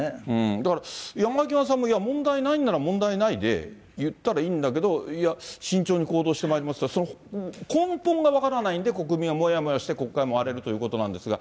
だから、山際さんも、いや、問題ないなら問題ないで、言ったらいいんだけど、いや、慎重に行動してまいりますって、その根本が分からないんで、国民はもやもやして、国会も荒れるということなんですが。